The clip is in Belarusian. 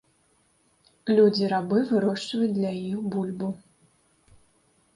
Людзі-рабы вырошчваюць для іх бульбу.